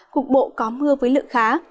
cùng bộ có mưa với lượng khá